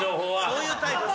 そういうタイプ？